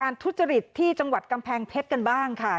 ทุจริตที่จังหวัดกำแพงเพชรกันบ้างค่ะ